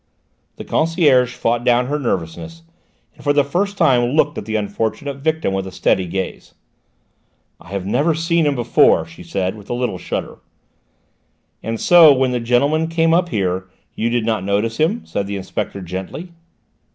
The concierge fought down her nervousness and for the first time looked at the unfortunate victim with a steady gaze. "I have never seen him before," she said, with a little shudder. "And so, when that gentleman came up here, you did not notice him?" said the inspector gently.